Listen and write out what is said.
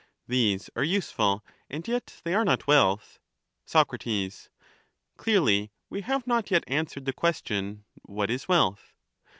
These are useful and yet they are not wealth. Soc. Clearly we have not yet answered the question, What is wealth?